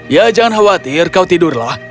ya jangan khawatir kau tidurlah